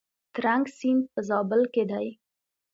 ترنک سیند په زابل کې دی؟